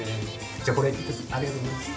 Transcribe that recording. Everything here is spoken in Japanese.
じゃあこれありがとうございます。